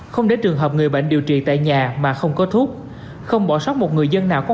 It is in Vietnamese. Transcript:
không để trường hợp người bệnh điều trị tại nhà mà không có thuốc không bỏ sót một người dân nào có